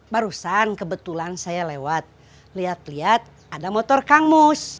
barusan kebetulan saya lewat lihat lihat ada motor kang mus